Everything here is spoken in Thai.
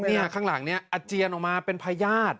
นี่ข้างหลังนี่อาจียันออกมาเป็นพายาท